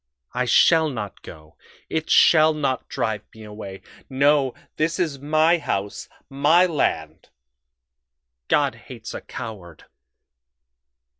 I shall not go it shall not drive me away. No, this is my house, my land. God hates a coward....